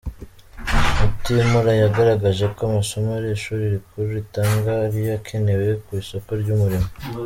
Mutimura yagaragaje ko amasomo iri shuri rikuru ritanga ariyo akenewe ku isoko ry’umurimo.